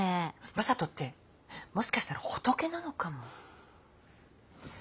正門ってもしかしたら仏なのかも。